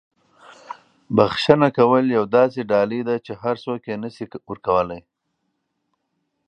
بښنه کول یوه داسې ډالۍ ده چې هر څوک یې نه شي ورکولی.